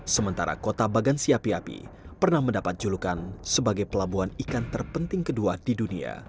sementara kota bagansi api api pernah mendapat julukan sebagai pelabuhan ikan terpenting kedua di dunia